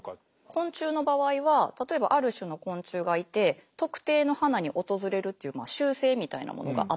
昆虫の場合は例えばある種の昆虫がいて特定の花に訪れるっていう習性みたいなものがあったりします。